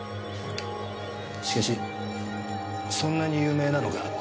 しかしそんなに有名なのか？